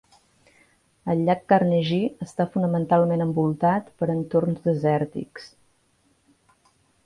El llac Carnegie està fonamentalment envoltat per entorns desèrtics.